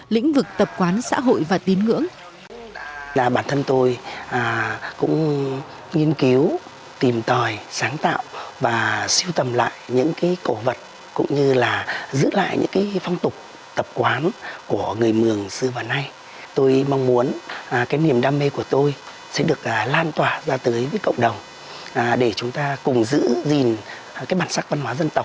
lĩnh vực tập quán xã hội và tín ngưỡng